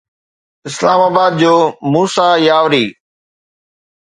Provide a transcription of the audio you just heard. اسلام آباد جو موسيٰ ياوري